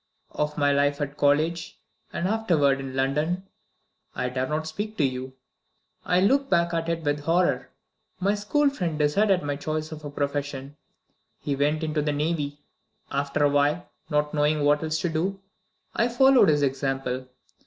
Of my life at college, and afterward in London, I dare not speak to you; I look back at it with horror. My school friend decided my choice of a profession; he went into the navy. After a while, not knowing what else to do, I followed his example.